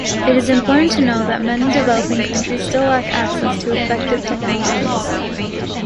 It is important to note that many developing countries still lack access to effective technologies.